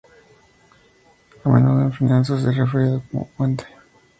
A menudo en finanzas, es referido como puente.